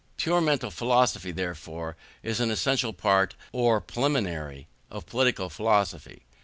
Pure mental philosophy, therefore, is an essential part, or preliminary, of political philosophy.